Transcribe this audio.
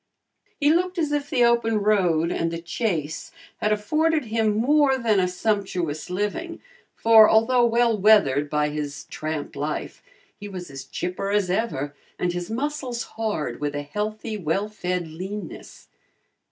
He looked as if the open road and the chase had afforded him more than a sumptuous living, for although well weathered by his tramp life, he was as chipper as ever and his muscles hard with a healthy well fed leanness.